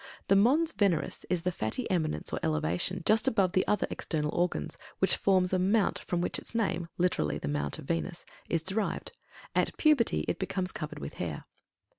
THE MONS VENERIS is the fatty eminence or elevation just above the other external organs, which forms a mount from which its name (literally, "The Mount of Venus") is derived. At puberty it becomes covered with hair.